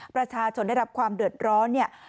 ประชาชนได้รับความเดือดร้อนเนี่ย